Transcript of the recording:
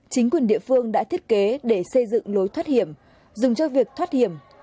chính quyền địa phương đã thiết kế để xây dựng lối thoát hiểm dùng cho việc thoát hiểm